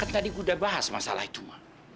kan tadi gue udah bahas masalah itu ma